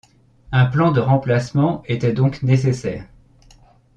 Un plan de remplacement était donc nécessaire.